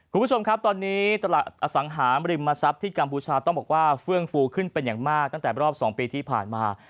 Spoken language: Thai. คุณผู้ชมครับตอนนี้ตลาดอสังหามริมทรัพย์ที่กัมพูชาต้องบอกว่าเฟื่องฟูขึ้นเป็นอย่างมากตั้งแต่รอบ๒ปีที่ผ่านมา